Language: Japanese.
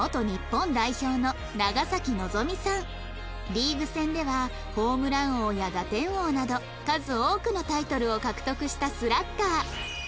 リーグ戦ではホームラン王や打点王など数多くのタイトルを獲得したスラッガー